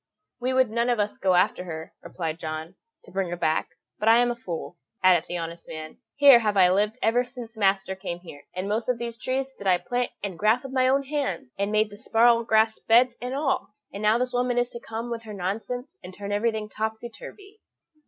"We would none of us go after her," replied John, "to bring her back; but I am a fool," added the honest man; "here have I lived ever since master came here, and most of these trees did I plant and graff with my own hands, and made the sparrow grass beds and all, and now this woman is to come with her nonsense, and turn everything topsy turvy."